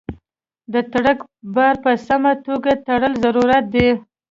د ټرک بار په سمه توګه تړل ضروري دي.